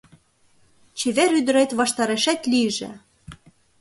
Чевер ӱдырет ваштарешет лийже!